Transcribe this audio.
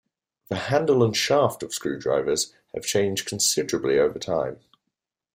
The handle and shaft of screwdrivers have changed considerably over time.